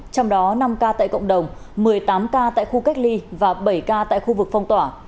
trong đó năm ca tại cộng đồng một mươi tám ca tại khu cách ly và bảy ca tại khu vực phong tỏa